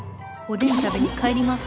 おでん食べに帰ります。